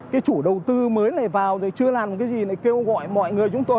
cái chủ đầu tư mới này vào rồi chưa làm cái gì lại kêu gọi mọi người chúng tôi